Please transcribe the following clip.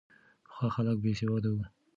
پخوا خلک بې سواده وو.